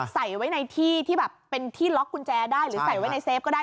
ใส่ไว้ในที่ที่แบบเป็นที่ล็อกกุญแจได้หรือใส่ไว้ในเฟฟก็ได้